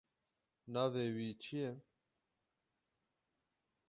Navê wî çi ye?